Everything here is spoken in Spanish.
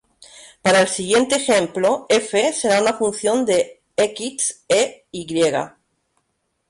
Para el siguiente ejemplo, "f" será una función de "x" e "y".